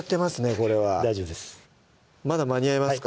これは大丈夫ですまだ間に合いますか？